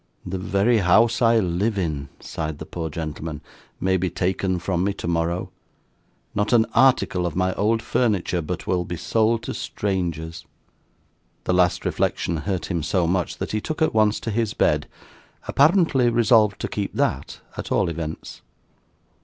'The very house I live in,' sighed the poor gentleman, 'may be taken from me tomorrow. Not an article of my old furniture, but will be sold to strangers!' The last reflection hurt him so much, that he took at once to his bed; apparently resolved to keep that, at all events.